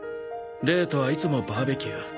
デートはいつもバーベキュー。